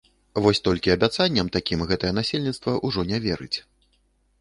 Вось толькі абяцанням такім гэтае насельніцтва ўжо не верыць.